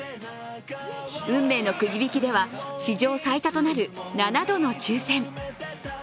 運命のくじ引きでは、史上最多となる７度の抽選。